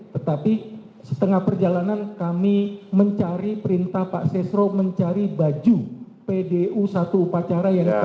tetapi setengah perjalanan kami mencari perintah pak sesro mencari baju pdu satu upacara yang datang